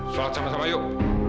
solat sama sama yuk